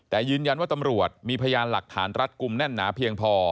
แต่ยืนยันว่าตำรวจมีพยานหลักฐานรัดกลุ่มแน่นหนาเพียงพอ